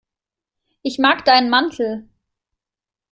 Ich mag deinen Mantel.